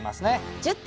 １０点。